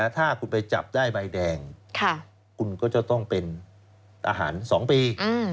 ถ้าคุณไปจับได้ใบแดงคุณก็จะต้องเป็นอาหาร๒ปี